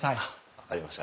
分かりました。